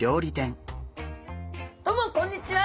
どうもこんにちは！